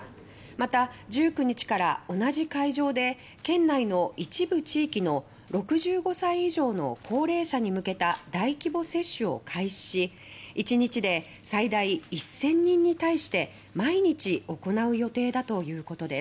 また、１９日から同じ会場で県内の一部地域の６５歳以上の高齢者に向けた大規模接種を開始し１日で最大１０００人に対して毎日行う予定だということです。